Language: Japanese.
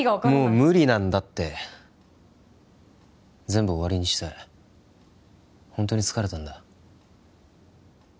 もう無理なんだって全部終わりにしたいホントに疲れたんだ